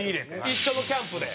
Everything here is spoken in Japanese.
一緒のキャンプで。